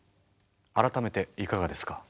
改めていかがですか？